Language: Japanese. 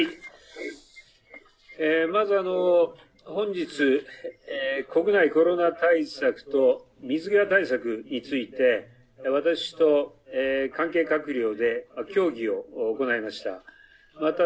まず本日、国内コロナ対策と水際対策について私と関係閣僚で協議を行いました。